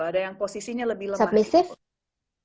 ada yang posisinya lebih lemah